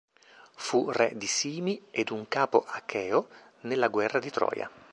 Fu re di Simi ed un capo acheo nella guerra di Troia.